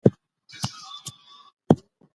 خیر محمد په خپل تلیفون کې د ملګرو غږونه اورېدل.